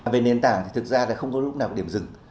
về nền tảng thì thực ra không có lúc nào có điểm dừng